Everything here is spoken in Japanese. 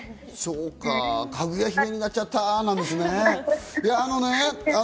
かぐや姫になっちゃったなんですね。